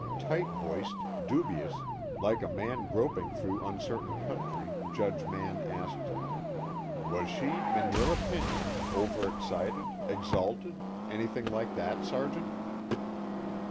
Tight voiced, dubious, like a man groping through uncertain country, Judge Mann asked: "Was she, in your opinion, overexcited exalted anything like that, Sergeant?"